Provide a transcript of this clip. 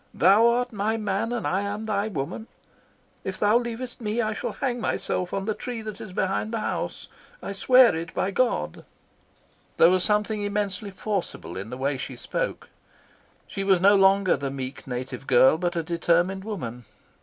Thou art my man and I am thy woman. If thou leavest me I shall hang myself on the tree that is behind the house. I swear it by God." There was something immensely forcible in the way she spoke. She was no longer the meek, soft native girl, but a determined woman.